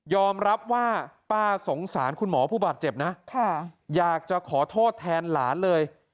รับว่าป้าสงสารคุณหมอผู้บาดเจ็บนะอยากจะขอโทษแทนหลานเลย